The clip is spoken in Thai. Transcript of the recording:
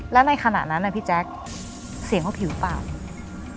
และในขณะนั้นนะพี่แจ๊คเสียงเขาผิวปาก